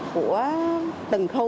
của từng khu